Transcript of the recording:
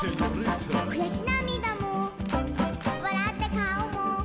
「くやしなみだもわらったかおも」